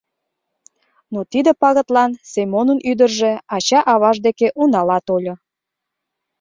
Но тиде пагытлан Семонын ӱдыржӧ ача-аваж деке унала тольо.